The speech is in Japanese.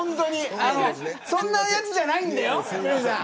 そんなやつじゃないんだよ。